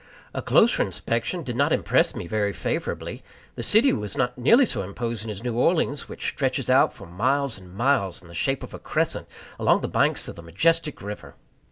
A closer inspection did not impress me very favorably. The city was not nearly so imposing as New Orleans, which stretches out for miles and miles, in the shape of a crescent, along the banks of the majestic river.